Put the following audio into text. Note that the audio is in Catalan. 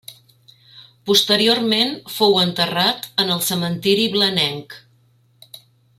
Posteriorment fou enterrat en el cementiri blanenc.